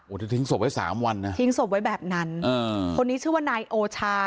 ที่ทิ้งศพไว้สามวันนะทิ้งศพไว้แบบนั้นอ่าคนนี้ชื่อว่านายโอชา